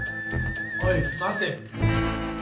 おい待て。